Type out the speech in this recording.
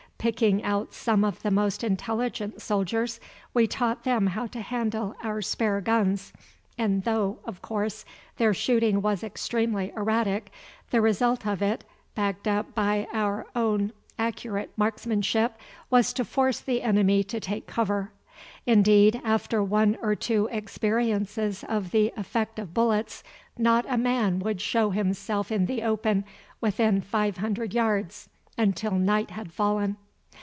Picking out some of the most intelligent soldiers we taught them how to handle our spare guns, and though, of course, their shooting was extremely erratic, the result of it, backed up by our own more accurate marksmanship, was to force the enemy to take cover. Indeed, after one or two experiences of the effect of bullets, not a man would show himself in the open within five hundred yards until night had fallen.